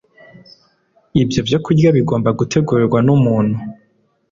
Ibyo byokurya bigomba gutegurwa n’umuntu